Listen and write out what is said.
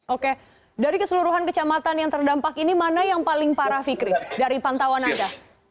oke dari keseluruhan kecamatan yang terdampak ini mana yang paling parah fikri dari pantauan anda